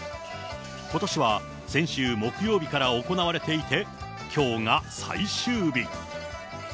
ことしは先週木曜日から行われていて、きょうが最終日。